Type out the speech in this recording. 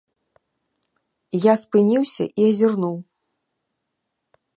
Я спыніўся і азірнуў.